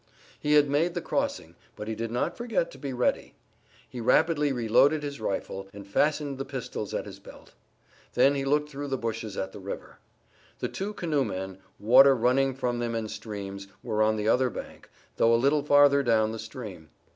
He had made the crossing but he did not forget to be ready. He rapidly reloaded his rifle, and fastened the pistols at his belt. Then he looked through the bushes at the river. The two canoemen, water running from them in streams, were on the other bank, though a little farther down the stream.